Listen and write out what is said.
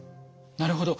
なるほど。